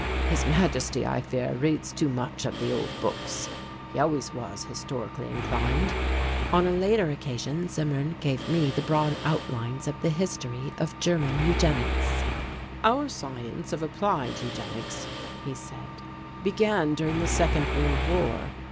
His Majesty, I fear, reads too much of old books. He always was historically inclined." On a later occasion Zimmern gave me the broad outlines of the history of German Eugenics. "Our science of applied Eugenics," he said, "began during the Second World War.